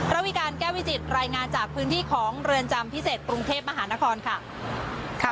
ระวิการแก้วิจิตรายงานจากพื้นที่ของเรือนจำพิเศษกรุงเทพมหานครค่ะ